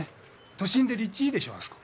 都心で立地いいでしょあそこ。